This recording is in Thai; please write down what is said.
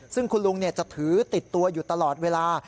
ซึ่งคุณลุงจะถือติดตัวอยู่ตลอดเวลา